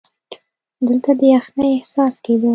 دلته د یخنۍ احساس کېده.